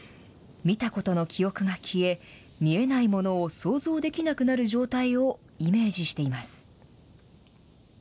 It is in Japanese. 見たことの記憶が消え、見えないものを想像できなくなる状態をイメージしています。